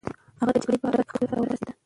هغه د جګړې په ډګر کې خپل هدف ته ورسېد.